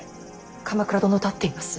鎌倉殿と会っています。